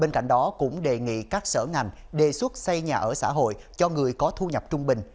bên cạnh đó cũng đề nghị các sở ngành đề xuất xây nhà ở xã hội cho người có thu nhập trung bình